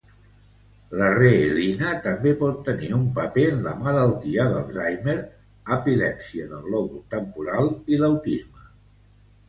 La reelina també pot tenir un paper en la malaltia d'Alzheimer, epilèpsia del lòbul temporal i l'autisme.